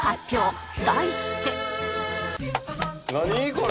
これ。